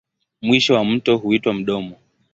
Mwisho wa mto huitwa mdomo.